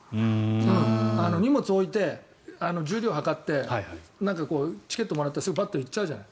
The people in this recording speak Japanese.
荷物を置いて、重量を計ってチケットをもらってすぐにパッと行っちゃうじゃない。